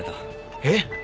えっ！？